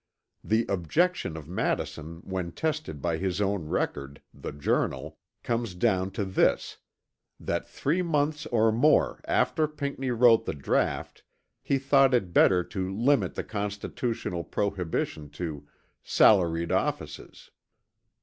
The objection of Madison when tested by his own record, the Journal, comes down to this: that three months or more after Pinckney wrote the draught, he thought it better to limit the Constitutional prohibition to "salaried offices."